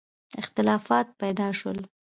اختلافات پیدا شول.